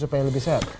supaya lebih sehat